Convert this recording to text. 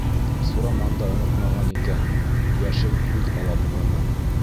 Сураман да онотмаған икән, Йәшел күҙ алабуғаны.